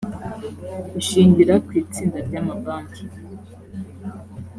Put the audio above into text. ishingira ku itsinda ryamabanki